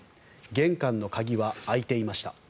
玄関の鍵は開いていました。